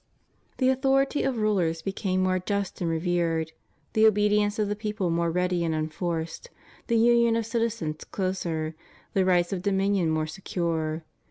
The authority of rulers became more just and revered; the obedience of the people more ready and unforced; the union of citizens closer; the rights of dominion more secure.